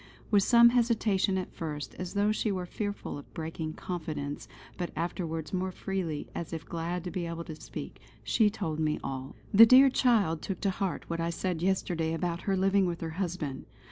With some hesitation at first, as though she were fearful of breaking confidence, but afterwards more freely as if glad to be able to speak, she told me all: "The dear child took to heart what I said yesterday about her living with her husband.